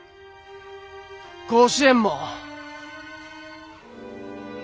甲子園も。